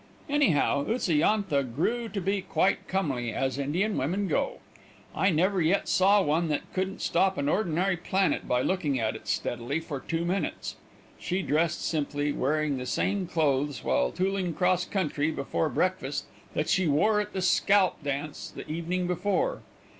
Anyhow Utsa yantha grew to be quite comely, as Indian women go. I never yet saw one that couldn't stop an ordinary planet by looking at it steadily for two minutes. She dressed simply, wearing the same clothes while tooling cross country before breakfast that she wore at the scalp dance the evening before.